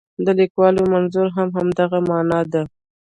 د لیکوال منظور هم همدغه معنا ده.